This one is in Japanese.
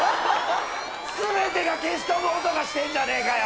全てが消し飛ぶ音がしてんじゃねえかよ！